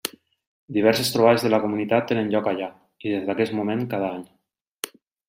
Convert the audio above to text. Diverses trobades de la comunitat tenen lloc allà, i des d'aquest moment, cada any.